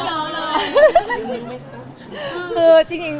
คือจริง